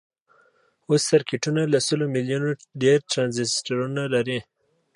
اوس سرکټونه له سلو میلیونو ډیر ټرانزیسټرونه لري.